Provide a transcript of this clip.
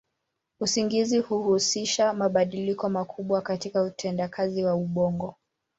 Usingizi huhusisha mabadiliko makubwa katika utendakazi wa ubongo.